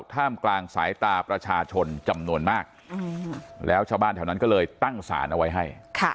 ท่ามกลางสายตาประชาชนจำนวนมากแล้วชาวบ้านแถวนั้นก็เลยตั้งสารเอาไว้ให้